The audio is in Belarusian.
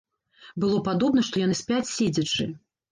Было падобна, што яны спяць седзячы.